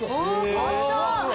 簡単！